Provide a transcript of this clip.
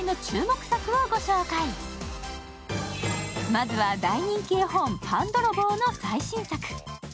まずは大人気絵本「パンどろぼう」の最新作。